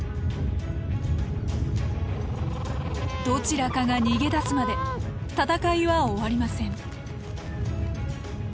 どちらかが逃げ出すまで戦いは終わりません。